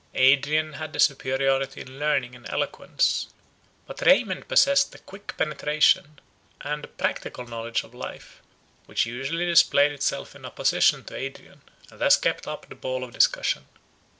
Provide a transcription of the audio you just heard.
Adrian had the superiority in learning and eloquence; but Raymond possessed a quick penetration, and a practical knowledge of life, which usually displayed itself in opposition to Adrian, and thus kept up the ball of discussion.